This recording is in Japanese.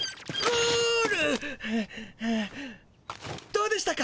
どうでしたか？